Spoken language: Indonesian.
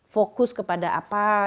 fokus kepada apa yang berpengaruh